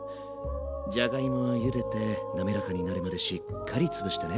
じゃがいもはゆでてなめらかになるまでしっかりつぶしてね。